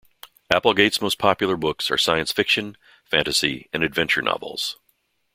Applegate's most popular books are science fiction, fantasy, and adventure novels.